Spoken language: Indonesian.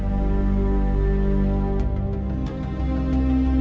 kamu sudah berhasil